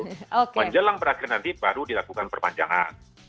menjelang berakhir nanti baru dilakukan perpanjangan